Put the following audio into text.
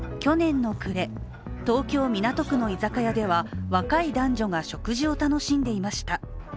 去年の暮れ、東京・港区の居酒屋では若い男女が食事を楽しんでいました。